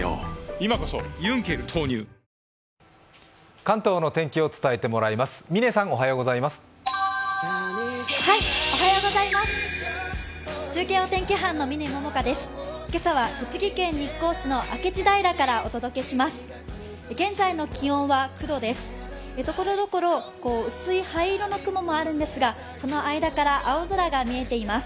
今朝は栃木県日光市の明智平からお届けします。